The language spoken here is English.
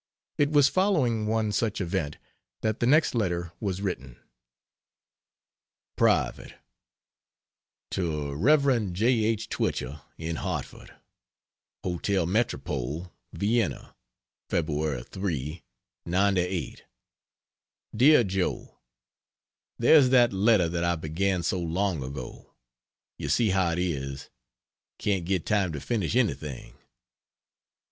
It was following one such event that the next letter was written. (Private) To Rev. J. H. Twichell, in Hartford: HOTEL METROPOLE, VIENNA, Feb. 3, '98. DEAR JOE, There's that letter that I began so long ago you see how it is: can't get time to finish anything.